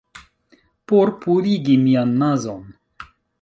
Por purigi mian nazon.